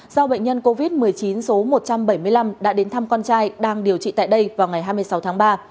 do bệnh nhân covid một mươi chín số một trăm bảy mươi năm đã đến thăm con trai đang điều trị tại đây vào ngày hai mươi sáu tháng ba